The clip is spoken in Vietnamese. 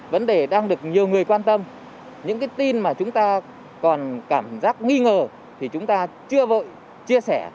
vấn đề đang được nhiều người quan tâm những cái tin mà chúng ta còn cảm giác nghi ngờ thì chúng ta chưa vội chia sẻ